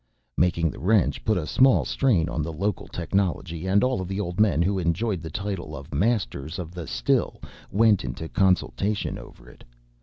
Making the wrench put a small strain on the local technology and all of the old men who enjoyed the title of Masters of the Still went into consultation over it.